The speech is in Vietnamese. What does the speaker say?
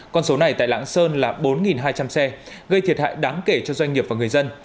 con số này tại lãng sơn là bốn hai trăm linh xe gây thiệt hại đáng kể cho doanh nghiệp